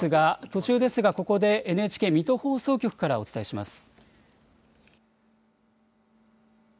途中ですがここでＮＨＫ水戸放送局からお伝えします。